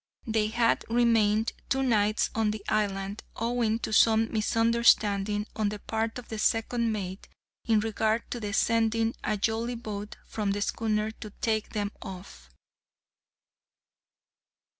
They had remained two nights on the island, owing to some misunderstanding, on the part of the second mate, in regard to the sending a jollyboat from the schooner to take them off.